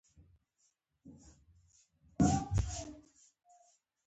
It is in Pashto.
هر کله راشئ